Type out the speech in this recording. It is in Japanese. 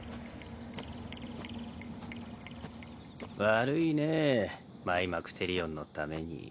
悪いねマイマクテリオンのために。